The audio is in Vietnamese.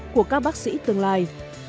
của các bác sĩ tương lai